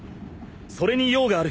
それに用がある。